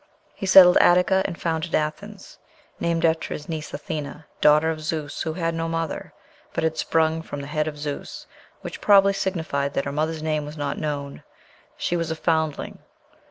He settled Attica and founded Athens, named after his niece Athena, daughter of Zeus, who had no mother, but had sprung from the head of Zeus, which probably signified that her mother's name was not known she was a foundling.